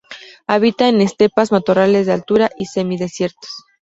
Habita en estepas, matorrales de altura y semidesiertos.